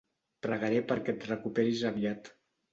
Pregaré perquè et recuperis aviat.